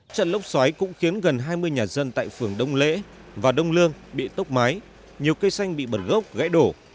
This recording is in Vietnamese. trận lốc xoáy cũng khiến gần hai mươi nhà dân tại phường đông lễ và đông lương bị tốc mái nhiều cây xanh bị bật gốc gãy đổ